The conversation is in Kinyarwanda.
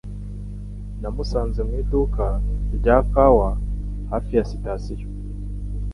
Namusanze mu iduka rya kawa hafi ya sitasiyo.